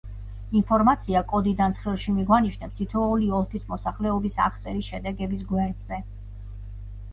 ინფორმაცია კოდიდან ცხრილში მიგვანიშნებს თითოეული ოლქის მოსახლეობის აღწერის შედეგების გვერდზე.